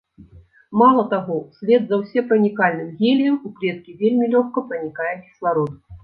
Мала таго, услед за ўсепранікальным геліем у клеткі вельмі лёгка пранікае кісларод.